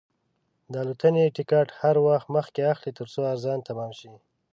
د الوتنې ټکټ هر وخت مخکې اخلئ، ترڅو ارزان تمام شي.